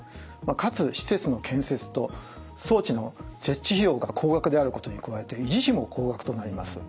かつ施設の建設と装置の設置費用が高額であることに加えて維持費も高額となります。